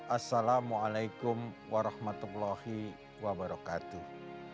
assalamualaikum warahmatullahi wabarakatuh